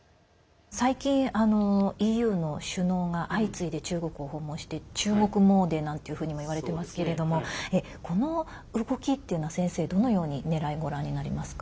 最近の、ＥＵの首脳が相次いで中国を訪問して中国詣でなんていうふうにも言われてますけれどもこの動きっていうのは先生、どのようにねらいご覧になりますか？